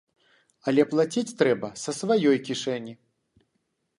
Але плаціць трэба са сваёй кішэні.